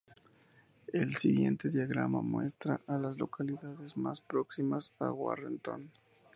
El siguiente diagrama muestra a las localidades más próximas a Warrenton.